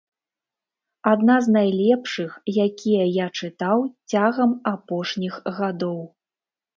Адна з найлепшых, якія я чытаў цягам апошніх гадоў.